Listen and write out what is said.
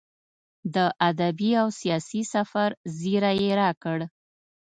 د ادبي او سیاحتي سفر زیری یې راکړ.